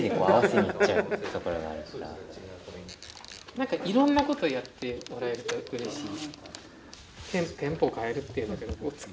なんかいろんなことやってもらえるとうれしい。